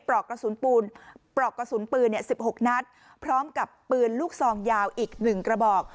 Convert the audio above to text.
ปรอกกระสุนปืนปรอกกระสุนปืนเนี่ย๑๖นัดพร้อมกับปืนลูกทรองยาวอีกหนึ่งกระบอก